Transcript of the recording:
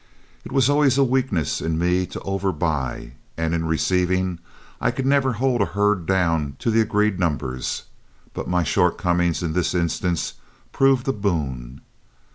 It was always a weakness in me to overbuy, and in receiving I could never hold a herd down to the agreed numbers, but my shortcomings in this instance proved a boon.